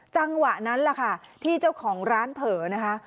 จังหวะนั้นแหละค่ะที่เจ้าของร้านเผลอนะคะ